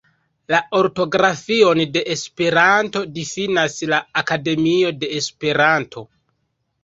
La ortografion de Esperanto difinas la Akademio de Esperanto.